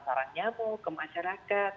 sarang nyamuk ke masyarakat